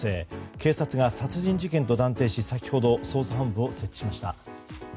警察が殺人事件と断定し先ほど捜査本部を設置しました。